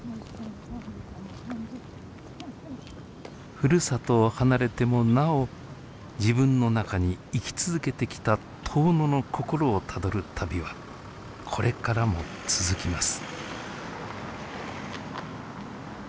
ふるさとを離れてもなお自分の中に生き続けてきた遠野の心をたどる旅はこれからも続きます。